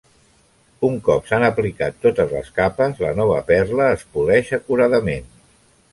Un cop s'han aplicat totes les capes, la nova perla es poleix acuradament.